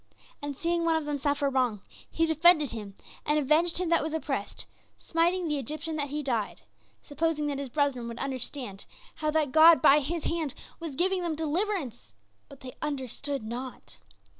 And seeing one of them suffer wrong, he defended him, and avenged him that was oppressed, smiting the Egyptian that he died supposing that his brethren would understand how that God by his hand was giving them deliverance; but they understood not.